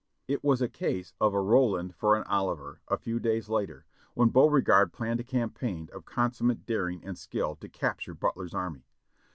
It was a case of a "Roland for an Oliver" a few days later, when Beauregard planned a campaign of consummate daring and skill to capture Butler's army.